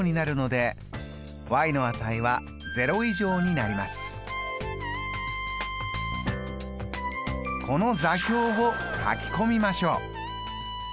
この座標をかき込みましょう。